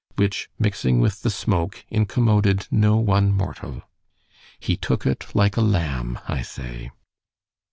which mixing with the smoke, incommoded no one mortal. He took it like a lamb——I say.